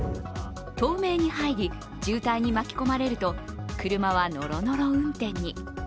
東名に入り渋滞に巻き込まれると車はノロノロ運転に。